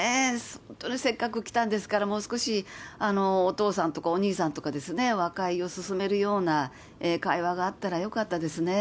本当にせっかく来たんですから、もう少しお父さんとかお兄さんとかですね、和解を勧めるような会話があったらよかったですね。